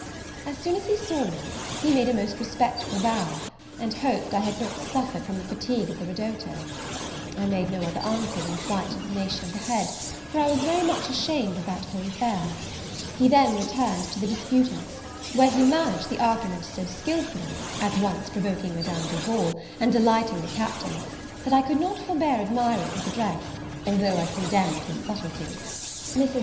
As soon as he saw me, he made a most respectful bow, and hoped I had not suffered from the fatigue of the ridotto: I made no other answer than a slight inclination of the head, for I was very much ashamed of that whole affair. He then returned to the disputants; where he managed the argument so skilfully, at once provoking Madame Duval, and delighting the Captain, that I could not forbear admiring his address, though I condemned his subtlety. Mrs.